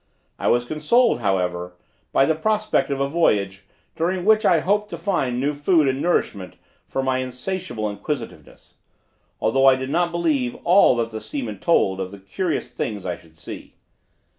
I was consoled, however, by the prospect of a voyage, during which I hoped to find new food and nourishment for my insatiable inquisitiveness, although I did not believe all that the seamen told of the curious things I should see.